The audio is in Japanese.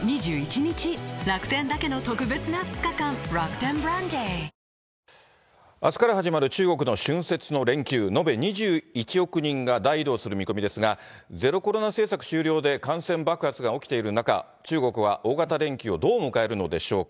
上海市からは陽性になっても出勤延べ２１億人が大移動する見込みですが、ゼロコロナ政策終了で感染爆発が起きている中、中国は大型連休をどう迎えるのでしょうか。